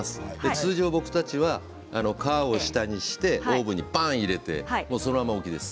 通常、僕たちは皮を下にしてオーブンにばんと入れてそのままです。